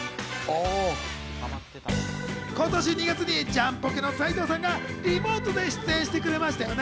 今年２月にジャンポケの斉藤さんがリモートで出演してくれましたよね。